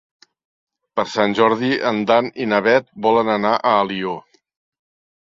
Per Sant Jordi en Dan i na Bet volen anar a Alió.